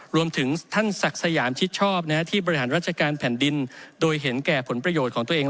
รวมถึงท่านศักดิ์สยามชิดชอบที่บริหารราชการแผ่นดินโดยเห็นแก่ผลประโยชน์ของตัวเอง